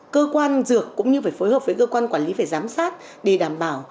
cơ quan dược cũng như phải phối hợp với cơ quan quản lý phải giám sát để đảm bảo